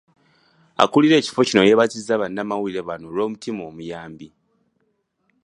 Akulira ekifo kino yeebazizza bannamawulire bano olw'omutima omuyambi.